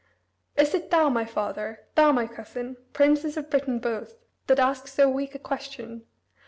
Is it thou, my father, thou, my cousin, princes of Britain both, that ask so weak a question?